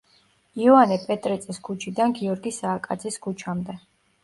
იოანე პეტრიწის ქუჩიდან გიორგი სააკაძის ქუჩამდე.